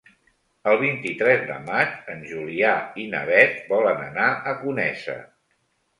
El vint-i-tres de maig en Julià i na Beth volen anar a Conesa.